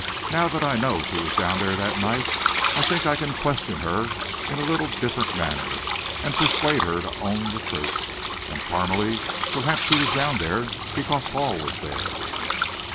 Now that I know she was down there that night, I think I can question her in a little different manner, and persuade her to own the truth. And, Parmalee, perhaps she was down there because Hall was there."